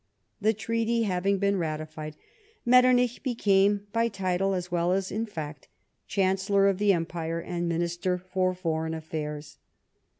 The treaty having been ratified, Metternich became, by title as well as in fact, Chancellor of the Empire and Minister for Foreign Affairs.